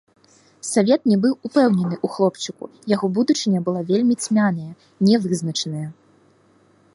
Савет не быў упэўнены ў хлопчыку, яго будучыня была вельмі цьмяная, не вызначаная.